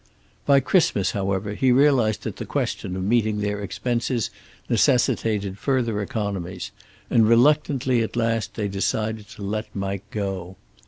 By Christmas, however, he realized that the question of meeting their expenses necessitated further economies, and reluctantly at last they decided to let Mike go.